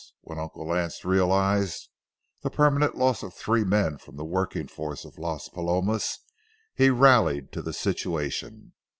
When Uncle Lance realized the permanent loss of three men from the working force of Las Palomas, he rallied to the situation.